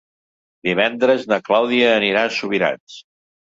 Divendres na Clàudia anirà a Subirats.